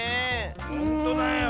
ほんとだよ。